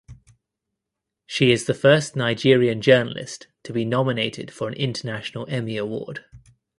She is the first Nigerian journalist to be nominated for an International Emmy Award.